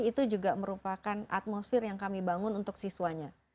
itu juga merupakan atmosfer yang kami bangun untuk siswanya